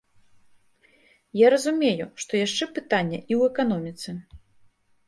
Я разумею, што яшчэ пытанне і ў эканоміцы.